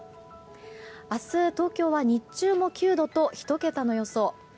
明日、東京は日中も９度と１桁の予想。